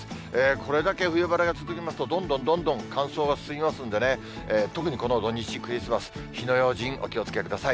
これだけ冬晴れが続きますと、どんどんどんどん乾燥が進みますんでね、特にこの土日、クリスマス、火の用心、お気をつけください。